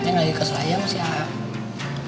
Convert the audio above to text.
neng lagi kesel aja sama si haram